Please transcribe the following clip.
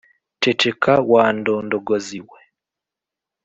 ceceka wa ndondogozi we